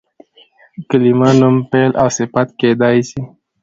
کلیمه نوم، فعل او صفت کېدای سي.